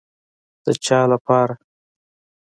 د چا دپاره.